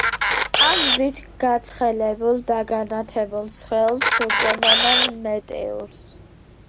ამ გზით გაცხელებულ და განათებულ სხეულს უწოდებენ მეტეორს.